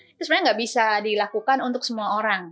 itu sebenarnya nggak bisa dilakukan untuk semua orang